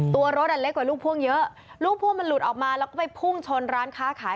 ตัวรถอ่ะเล็กกว่าลูกพ่วงเยอะลูกพ่วงมันหลุดออกมาแล้วก็ไปพุ่งชนร้านค้าขาย